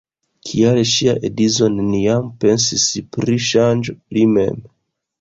Kial ŝia edzo neniam pensis pri ŝanĝo, li mem?